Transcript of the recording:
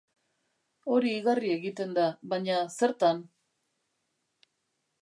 Hori igarri egiten da baina zertan?